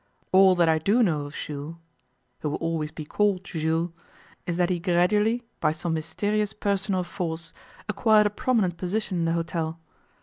All that I do know of Jules he will always be called Jules is that he gradually, by some mysterious personal force, acquired a prominent position in the hotel.